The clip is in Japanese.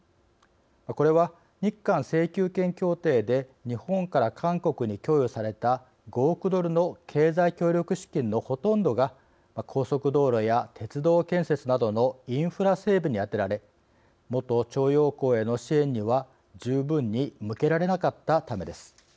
これは、日韓請求権協定で日本から韓国に供与された５億ドルの経済協力資金のほとんどが高速道路や鉄道建設などのインフラ整備に充てられ元徴用工への支援には十分に向けられなかったためです。